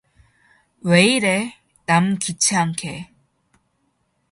왜 이래, 남 귀치않게.